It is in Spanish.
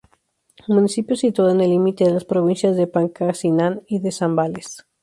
Municipio situado en el límite de las provincias de Pangasinán y de Zambales.